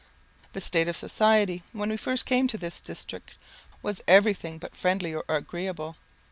The state of society when we first came to this district, was everything but friendly or agreeable.